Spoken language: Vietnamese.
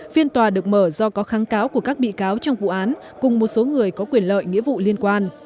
phiên tòa được mở do có kháng cáo của các bị cáo trong vụ án cùng một số người có quyền lợi nghĩa vụ liên quan